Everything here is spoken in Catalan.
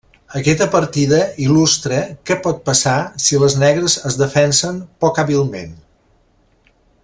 Aquesta partida il·lustra què pot passar si les negres es defensen poc hàbilment.